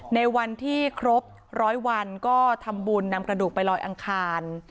ในวันที่ครบร้อยวันก็ทำบุญนำกระดูกไปลอยอังคาร